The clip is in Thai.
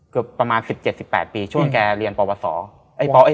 ก็ประมาณ๑๗๑๘ปีช่วงแกเรียนปวช